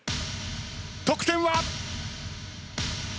得点は！？